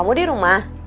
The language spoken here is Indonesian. kamu di rumah